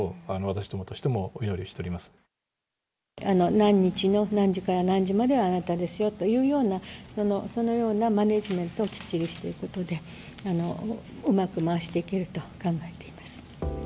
何日の何時から何時まではあなたですよというようなそのようなマネジメントをきっちりしていくことでうまく回していけると思います。